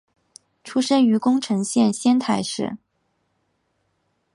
出身于宫城县仙台市。